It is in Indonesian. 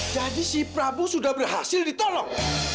jadi si prabu sudah berhasil ditolong